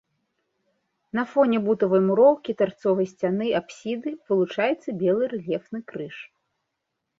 На фоне бутавай муроўкі тарцовай сцяны апсіды вылучаецца белы рэльефны крыж.